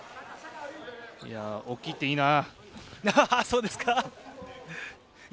大きいっていいなぁ。